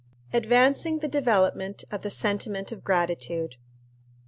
_Advancing the Development of the Sentiment of Gratitude.